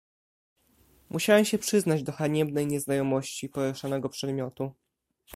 "Musiałem się przyznać do haniebnej nieznajomości poruszanego przedmiotu."